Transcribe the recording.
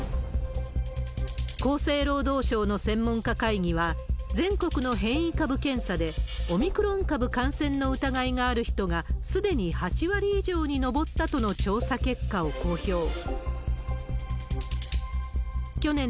厚生労働省の専門家会議は、全国の変異株検査でオミクロン株感染の疑いがある人が、すでに８割以上に上ったとの調査結果を公表。